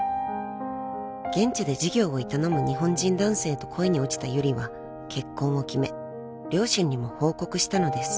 ［現地で事業を営む日本人男性と恋に落ちたユリは結婚を決め両親にも報告したのです。